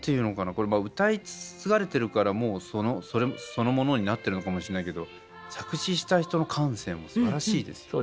これ歌い継がれてるからもうそのそれそのものになってるのかもしれないけど作詞した人の感性もすばらしいですよね。